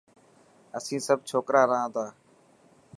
اسين سڀ ڇوڪرا رهان تا.